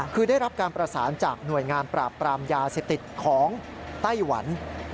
คือได้รับการประสานจากหน่วยงานปราบปรามยาเสพติดของไต้หวัน